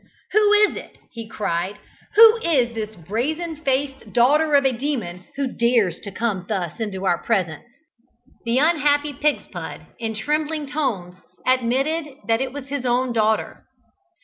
"Who is it?" he cried, "who is this brazen faced daughter of a demon who dares to come thus into our presence?" The unhappy Pigspud in trembling tones admitted that it was his own daughter.